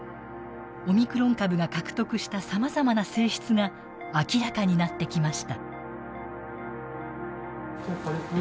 オミクロン株が獲得したさまざまな性質が明らかになってきました。